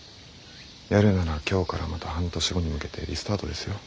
やるなら今日からまた半年後に向けてリスタートですよ？